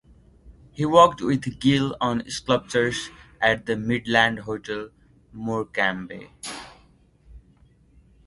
He worked with Gill on sculptures at the Midland Hotel, Morecambe.